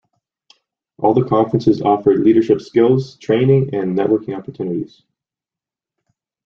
All the conferences offer leadership skills training and networking opportunities.